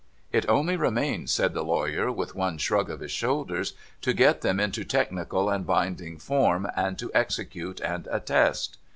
' It only remains,' said the lawyer, with one shrug of his shoulders, ' to get them into technical and binding form, and to execute and attest.